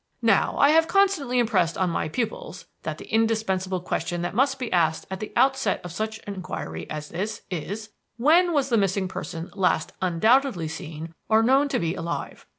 "Now, I have constantly impressed on my pupils that the indispensable question that must be asked at the outset of such an inquiry as this is, 'When was the missing person last undoubtedly seen or known to be alive?'